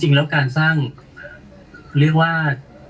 จริงแล้วการสร้างเรียกว่า